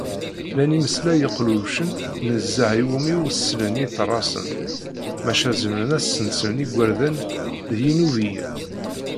Llan imesla yeqqlewcen nezzeh iwumi ur sellen yiterrasen, maca zemren ad sen-slen yigerdan d yinubiyen.